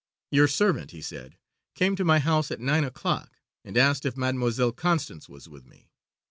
"Your servant," he said, "came to my house at nine o'clock and asked if Mademoiselle Constance was with me.